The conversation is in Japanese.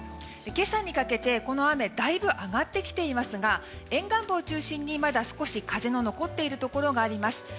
今朝にかけて、この雨だいぶ上がってきていますが沿岸部を中心にまだ少し風の残っているところもあります。